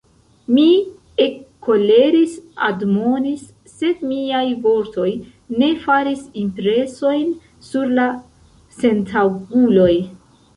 Mi ekkoleris, admonis, sed miaj vortoj ne faris impresojn sur la sentaŭguloj.